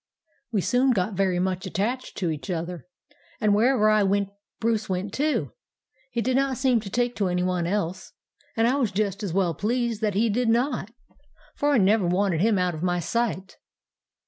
"We soon got very much attached to each other, and wherever I went Bruce went too. He did not seem to take to any one else, and I was just as well pleased that he did not, for I never wanted him out of my sight.